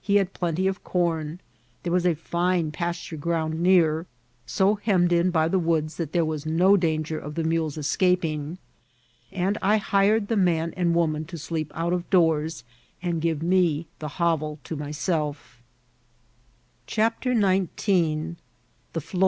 He had plenty of com; there was a fine pasture grouad near, so hemmed in by the woods that there was no danger of the mules escaping, and I hired the man and woman to sleep out of doors, and give me the hovel to myseli M6 IHCIDBVTS OF TKATBJU CHAPTER XIX.